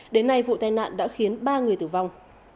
đến nay vụ tai nạn đã khiến ba người tử vong